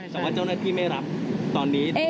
แต่ว่าเจ้าหน้าที่ไม่รับตอนนี้